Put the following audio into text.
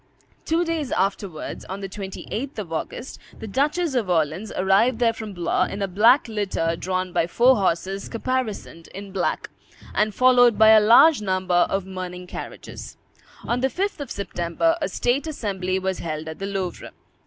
Two days afterwards, on the 28th of August, the Duchess of Orleans arrived there from Blois, in a black litter drawn by four horses caparisoned in black, and followed by a large number of mourning carriages. On the 5th of September, a state assembly was held at the Louvre.